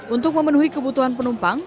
untuk memenuhi kebutuhan penumpang